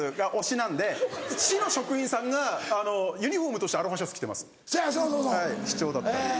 なんで市の職員さんがユニホームとしてアロハシャツ着てます